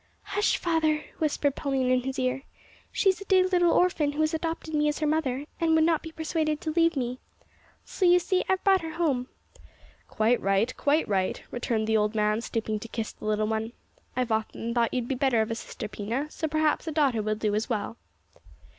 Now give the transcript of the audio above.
"Hush! father," whispered Pauline in his ear, "she's a dear little orphan who has adopted me as her mother, and would not be persuaded to leave me. So, you see, I've brought her home." "Quite right, quite right," returned the old man, stooping to kiss the little one. "I've often thought you'd be the better of a sister, Pina, so, perhaps, a daughter will do as well."